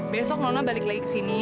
besok nonak balik lagi ke sini